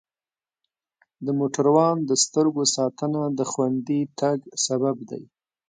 د موټروان د سترګو ساتنه د خوندي تګ سبب دی.